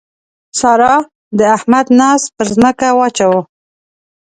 سارا د احمد ناز پر ځمکه واچاوو.